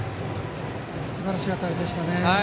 すばらしい当たりでしたね。